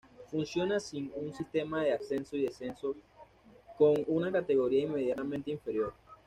Funciona sin un sistema de ascensos y descensos con una categoría inmediatamente inferior.